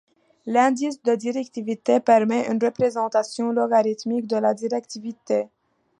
L'indice de directivité permet une représentation logarithmique de la directivité.